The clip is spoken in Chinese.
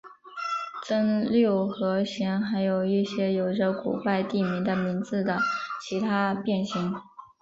增六和弦还有一些有着古怪地名的名字的其他变形。